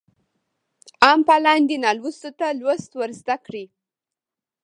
عام فعالان دي نالوستو ته لوست ورزده کړي.